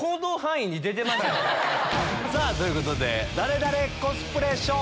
さぁということで「ダレダレ？コスプレショー」。